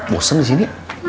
bosan di sini